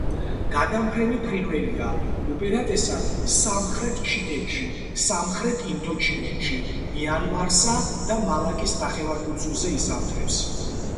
გადამფრენი ფრინველია, უპირატესად სამხრეთ ჩინეთში, სამხრეთ ინდოჩინეთში, მიანმარსა და მალაკის ნახევარკუნძულზე იზამთრებს.